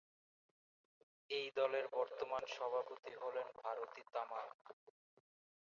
এই দলের বর্তমান সভানেত্রী হলেন ভারতী তামাং।